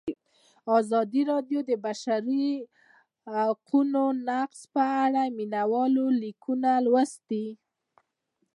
ازادي راډیو د د بشري حقونو نقض په اړه د مینه والو لیکونه لوستي.